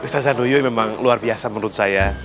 emang ustadz zah nuyuh memang luar biasa menurut saya